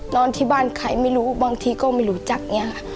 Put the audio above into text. นอนที่บ้านใครไม่รู้บางทีก็ไม่รู้จักเนี่ยค่ะ